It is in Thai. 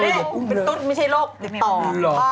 เป็นตุ๊ดไม่ใช่โรคฮะเป็นโฮโมน